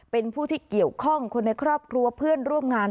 เป็นผู้ที่เกี่ยวข้องคนในครอบครัวเพื่อนร่วมงาน